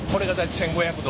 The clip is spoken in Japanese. １，５００℃。